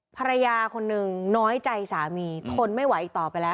ภรรยาคนหนึ่งน้อยใจสามีทนไม่ไหวอีกต่อไปแล้ว